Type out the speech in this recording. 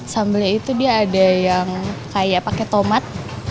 sambalnya itu dia ada yang kayak pakai tomat